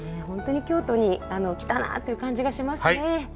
本当に「京都に来たな」っていう感じがしますね。